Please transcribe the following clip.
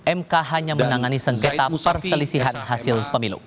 mk hanya menangani sengketa perselisihan hasil pemilu